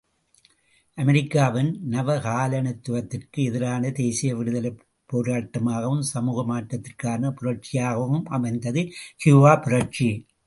அமெரிக்காவின் நவகாலனித்துவத்திற்கு எதிரான தேசிய விடுதலைப் போராட்டமாகவும் சமூக மாற்றத்திற்கான புரட்சியாகவும் அமைந்தது கியூபப் புரட்சி.